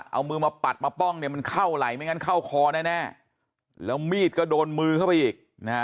เอามือมาปัดมาป้องเนี่ยมันเข้าไหลไม่งั้นเข้าคอแน่แล้วมีดก็โดนมือเข้าไปอีกนะฮะ